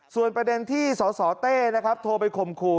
ส่วนประเด็นที่สสเต้นะครับโทรไปข่มขู่